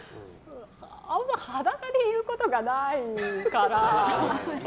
あんま裸でいることがないから。